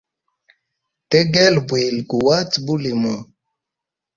Tegela bwili guhate bulimuhu.